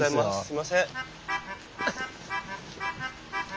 すいません。